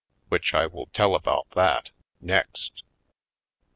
Which I will tell about thai, next.